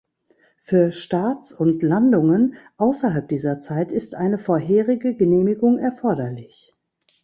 Für Starts und Landungen außerhalb dieser Zeit ist eine vorherige Genehmigung erforderlich.